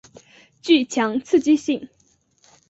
具强刺激性。